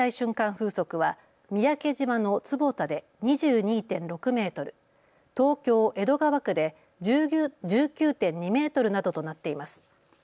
風速は三宅島の坪田で２２．６メートル、東京江戸川区で１９．２メートルなどとなっています。